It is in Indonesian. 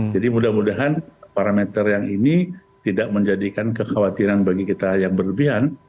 jadi mudah mudahan parameter yang ini tidak menjadikan kekhawatiran bagi kita yang berlebihan